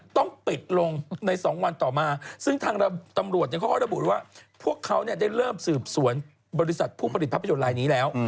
ต้องปิดลงใน๒วันต่อมาซึ่งทางตำรวจเขาก็ระบุว่าพวกเขาได้เริ่มสืบสวนบริษัทผู้ผลิตภาพยนตร์ลายนี้แล้ว